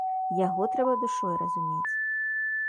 Яго трэба душой разумець.